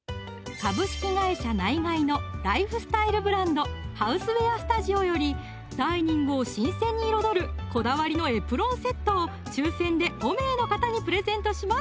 ナイガイのライフスタイルブランド「ＨＯＵＳＥＷＥＡＲＳＴＵＤＩＯ」よりダイニングを新鮮に彩るこだわりのエプロンセットを抽選で５名の方にプレゼントします